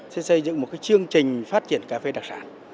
sẽ xây dựng một chương trình phát triển cà phê đặc sản